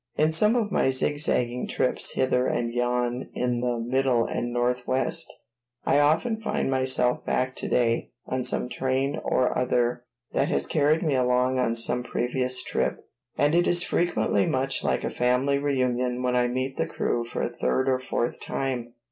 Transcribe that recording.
In some of my zigzagging trips hither and yon in the Middle and Northwest I often find myself back to day on some train or other that has carried me along on some previous trip, and it is frequently much like a family reunion when I meet the crew for a third or fourth time.